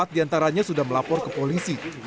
empat diantaranya sudah melapor ke polisi